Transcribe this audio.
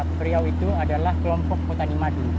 periau itu adalah kelompok petani madu